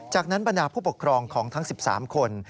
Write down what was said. จากนั้นบรรดาผู้ปกครองของทั้ง๑๓คน